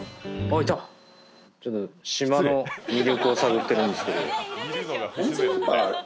島の魅力を探ってるんですけど。